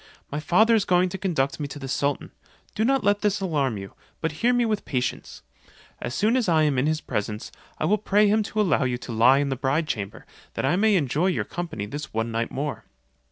My father is going to conduct me to the sultan; do not let this alarm you, but hear me with patience. As soon as I am in his presence, I will pray him to allow you to lie in the bride chamber, that I may enjoy your company this one night more.